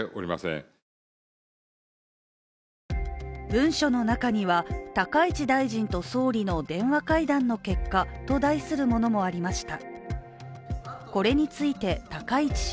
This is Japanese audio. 文書の中には、「高市大臣と総理の電話会談の結果」と題するものもありました。